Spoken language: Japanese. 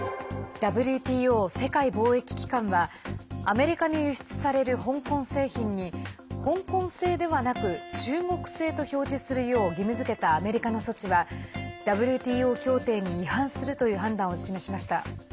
ＷＴＯ＝世界貿易機関はアメリカに輸出される香港製品に香港製ではなく中国製と表示するよう義務付けたアメリカの措置は、ＷＴＯ協定に違反するという判断を示しました。